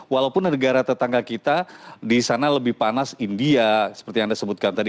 walaupun negara tetangga kita di sana lebih panas india seperti yang anda sebutkan tadi